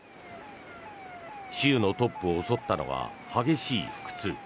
州のトップを襲ったのは激しい腹痛。